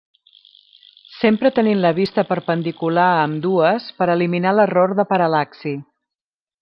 Sempre tenint la vista perpendicular a ambdues per eliminar l'error de paral·laxi.